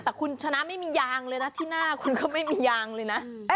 แต่คุณชนะไม่มียางเลยนะที่หน้าคุณก็ไม่มียางเลยนะ